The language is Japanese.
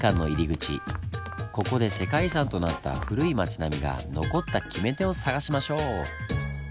ここで世界遺産となった古い町並みが残った決め手を探しましょう！